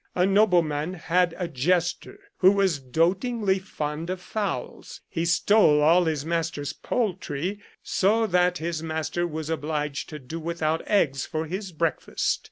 A nobleman had a jester who was dotingly fond of fowls. He stole all his master's poultry, so that his master was obliged to do without eggs for his breakfast.